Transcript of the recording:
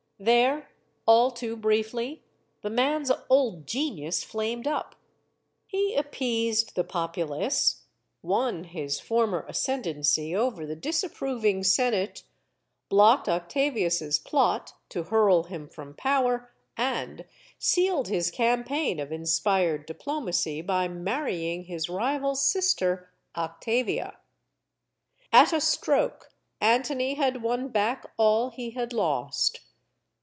There, all too briefly, the man*s old genius flamed up. He appeased the populace, won his former as cendency over the disapproving Senate, blocked Oc tavius* plot to hurl him from power, and sealed his 150 STORIES OF THE SUPER WOMEN campaign of inspired diplomacy by marrying his rival's sister, Octavia. At a stroke, Antony had won back all he had lost.